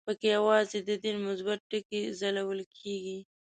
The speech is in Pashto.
په کې یوازې د دین مثبت ټکي ځلول کېږي.